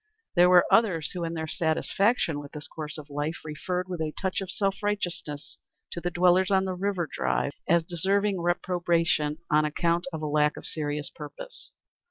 There were others who, in their satisfaction with this course of life, referred with a touch of self righteousness to the dwellers on the River Drive as deserving reprobation on account of a lack of serious purpose.